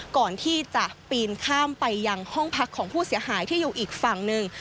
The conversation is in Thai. ก่อนที่จะปีนข้ามไปยังห้องพักของผู้เสียหายที่อยู่อีกฝั่งหนึ่ง